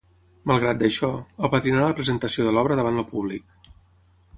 Malgrat d'això, apadrinà la presentació de l'obra davant el públic.